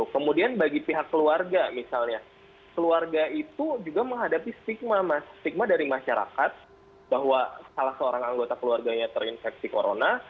kemudian bagi pihak keluarga misalnya keluarga itu juga menghadapi stigma dari masyarakat bahwa salah seorang anggota keluarganya terinfeksi corona